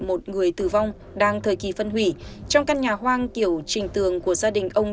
một người tử vong đang thời kỳ phân hủy trong căn nhà hoang kiểu trình tường của gia đình ông